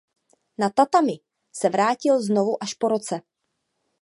Na tatami se vrátil znovu až po roce.